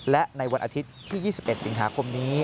และในวันอาทิตย์ที่๒๑สิงหาคมนี้